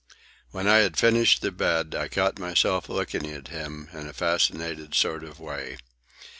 When I had finished the bed, I caught myself looking at him in a fascinated sort of way.